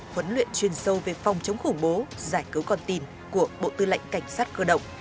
huấn luyện chuyên sâu về phòng chống khủng bố giải cứu con tin của bộ tư lệnh cảnh sát cơ động